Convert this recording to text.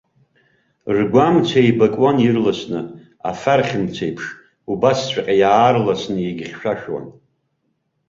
Ргәы амца еибакуан ирласны, афархь мцеиԥш, убасҵәҟьа иаарласны иагьыхьшәашәон.